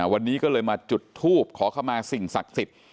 วันนี้ก็เลยมาจุดทูบขอเข้ามาสิ่งศักดิ์สิทธิ์